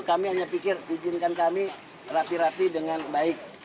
kami hanya pikir izinkan kami rapi rapi dengan baik